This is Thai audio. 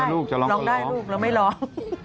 ลองได้ลูกเราไม่ลอง